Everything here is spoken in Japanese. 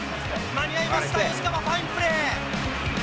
間に合いました、吉川ファインプレー。